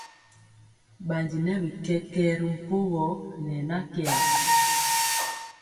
Bandi nɛ bi kɛkɛɛ ri mpogɔ ne na kɛɛr.